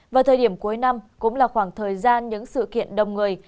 vào thời điểm cuối năm cũng là khoảng thời gian những sự kiện đông người